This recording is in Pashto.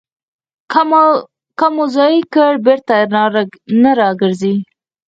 که مو ضایع کړ، بېرته نه راګرځي.